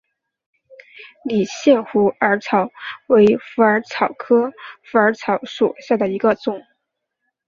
理县虎耳草为虎耳草科虎耳草属下的一个种。